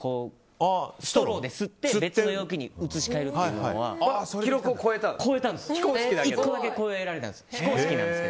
ストローですって別の容器に移し替えるというのは記録を超えたんです。